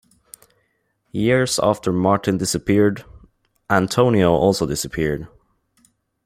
Years after Martin disappeared, Antonio also disappeared.